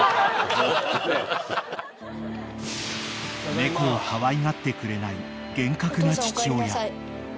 ［猫をかわいがってくれない厳格な父親］